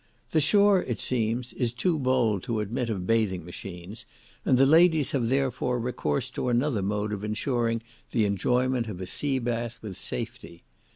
The shore, it seems, is too bold to admit of bathing machines, and the ladies have, therefore, recourse to another mode of ensuring the enjoyment of a sea bath with safety.